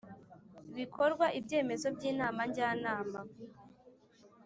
bikorwa ibyemezo by Inama Njyanama